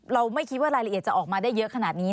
เราไม่คิดว่ารายละเอียดจะออกมาได้เยอะขนาดนี้